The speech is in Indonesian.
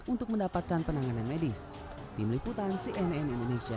untuk mendapatkan penanganan medis tim liputan cnn indonesia